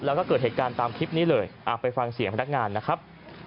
แล้วก็เกิดเหตุการณ์ตามคลิปนี้เลยไปฟังเสียงพนักงานนะครับ